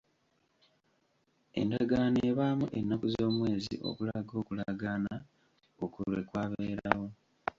Endagaano ebaamu ennaku z'omwezi okulaga okulagaana okwo lwe kwabeerawo.